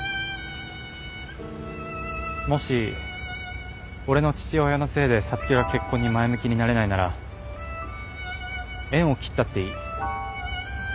もし俺の父親のせいで皐月が結婚に前向きになれないなら縁を切ったっていい。